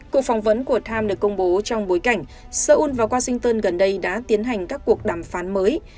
cuộc phỏng vấn của time được công bố trong bối cảnh seoul và washington gần đây đã tiến hành các cuộc đàm phán mới